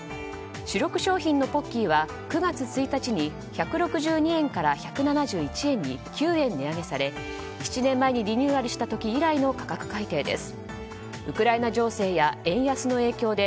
主力商品のポッキーは９月１日に１６２円から１７１円に９円値上げされ７年前にリニューアルした時以来の価格改定です。